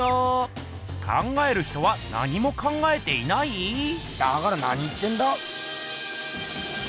「考える人」は何も考えていない⁉だから何言ってんだ？